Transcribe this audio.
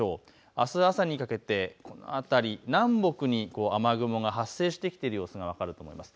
あす朝にかけて南北に雨雲が発生してきている様子が分かると思います。